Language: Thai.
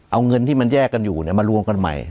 เอาเงินที่มันแยกกันอยู่มารวมกันใหม่